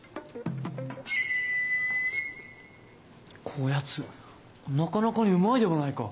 こやつなかなかにうまいではないか。